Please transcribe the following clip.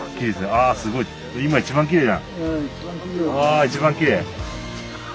ああ一番きれい。